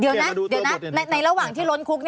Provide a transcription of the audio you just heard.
เดี๋ยวนะระหว่างที่ล้นคุก